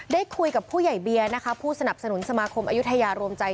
ได้คุยกับผู้ใหญ่เบียร์นะคะผู้สนับสนุนสมาคมอายุทยารวมใจ